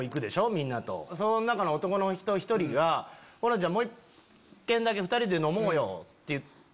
みんなとその中の男の１人が「ホランちゃんもう１軒だけ２人で飲もうよ」って言って。